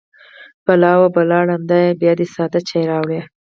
_بلا! وه بلا! ړنده يې! بيا دې ساده چای راوړی.